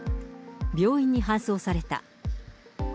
病院に搬送された。